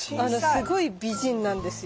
すごい美人なんですよ。